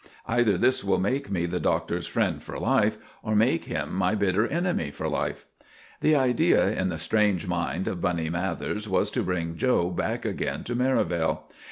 Either this will make me the Doctor's friend for life, or make him my bitter enemy for life." The idea in the strange mind of Bunny Mathers was to bring 'Joe' back again to Merivale.